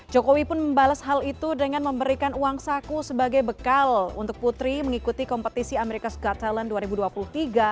jokowi pun membalas hal itu dengan memberikan uang saku sebagai bekal untuk putri mengikuti kompetisi america s got talent dua ribu dua puluh tiga